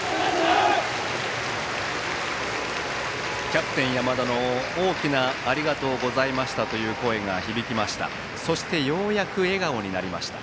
キャプテン山田の大きなありがとうございましたという声が響きました。